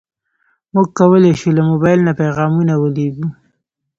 موږ کولی شو له موبایل نه پیغامونه ولېږو.